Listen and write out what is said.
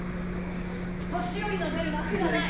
年寄りの出る幕じゃない！